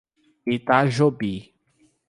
Itajobi